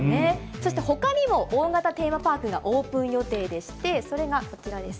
そしてほかにも大型テーマパークがオープン予定でして、それがこちらです。